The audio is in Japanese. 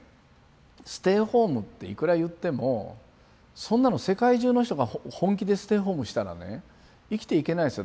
ステイホームっていくら言ってもそんなの世界中の人が本気でステイホームしたらね生きていけないですよ